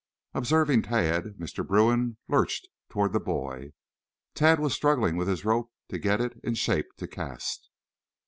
Observing Tad, Mr. Bruin lurched toward the boy. Tad was struggling with his rope to get it in shape to cast.